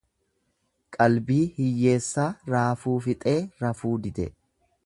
Qalbii hiyyeessaa raafuu fixee rafuu dide.